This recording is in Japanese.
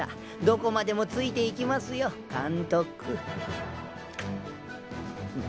どこまでもついていきますよ監督。